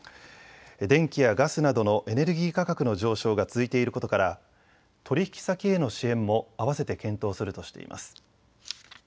電気やガスなどのエネルギー価格の上昇が続いていることから取引先への支援もあわせて検討するとしています。